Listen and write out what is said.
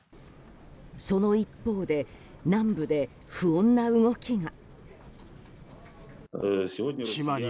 その一方で南部で不穏な動きが。